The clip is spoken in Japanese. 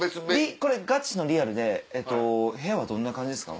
これガチのリアルで部屋はどんな感じですか？